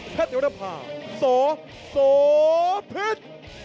เผ็ดระภาสสพิษ